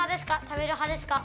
食べるはですか？